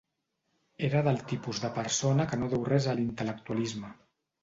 Era del tipus de persona que no deu res a l'intel·lectualisme.